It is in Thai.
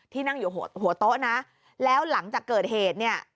นั่งอยู่หัวโต๊ะนะแล้วหลังจากเกิดเหตุเนี่ย